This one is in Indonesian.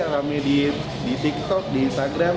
rame di tiktok di instagram